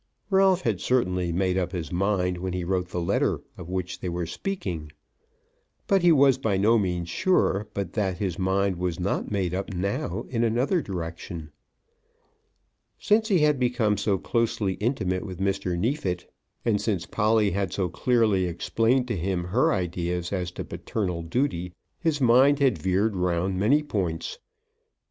Ralph had certainly made up his mind when he wrote the letter of which they were speaking, but he was by no means sure but that his mind was not made up now in another direction. Since he had become so closely intimate with Mr. Neefit, and since Polly had so clearly explained to him her ideas as to paternal duty, his mind had veered round many points.